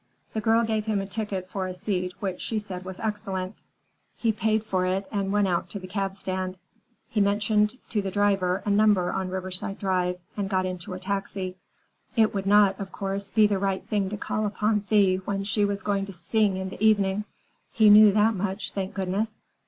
The girl gave him a ticket for a seat which she said was excellent. He paid for it and went out to the cabstand. He mentioned to the driver a number on Riverside Drive and got into a taxi. It would not, of course, be the right thing to call upon Thea when she was going to sing in the evening. He knew that much, thank goodness!